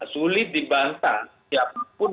sulit dibantah siapapun